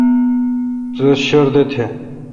رس شردہ تھ۔